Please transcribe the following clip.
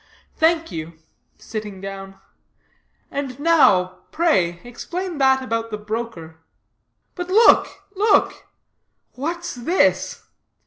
"Thank you," sitting down; "and now, pray, explain that about the broker. But look, look what's this?"